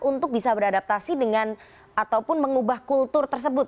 untuk bisa beradaptasi dengan ataupun mengubah kultur tersebut